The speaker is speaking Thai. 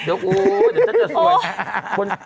โอ้โฮเดี๋ยวจะได้สวย